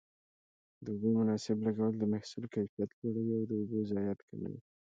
د اوبو مناسب لګول د محصول کیفیت لوړوي او د اوبو ضایعات کموي.